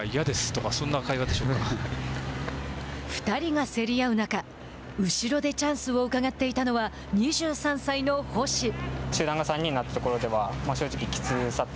２人が競り合う中後ろでチャンスをうかがっていたのは２３歳の星。